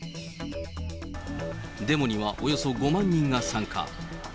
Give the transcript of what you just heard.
デモにはおよそ５万人が参加。